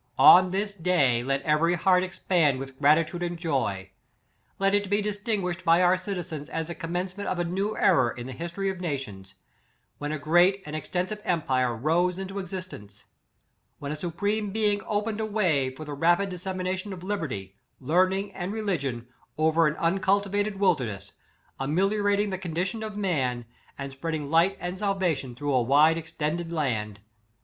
On this day let eve ry heart expand with gratitude and joy — let it be distinguished by our citizens as the commencement of a new era in the history of nations, when a great and ex tensive empire rose into existence; when a Supreme Being opened a way for the ra pid dissemination of liberty, learning, and religion, over an uncultivated wilderness, ameliorating the condition of man, and spreading light and salvation through a wide extended land.